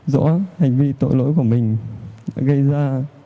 rõ hành vi tội lỗi của mình gây ra